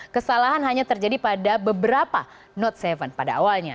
kesalahan hanya terjadi pada beberapa note tujuh pada awalnya